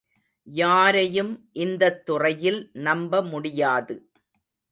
யாரையும் இந்தத் துறையில் நம்பமுடியாது.